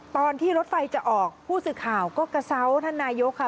ตอนที่รถไฟจะออกผู้สื่อข่าวก็กระเซาท่านนายกค่ะ